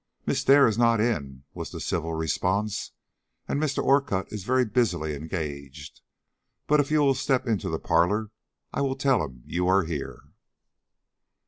"Miss Dare is not in," was the civil response, "and Mr. Orcutt is very busily engaged; but if you will step into the parlor I will tell him you are here."